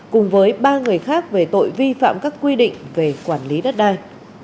cùng với ba người khác về tội vi phạm các quy định về quản lý đất đai